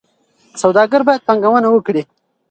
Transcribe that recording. سوداګر باید پانګونه وکړي.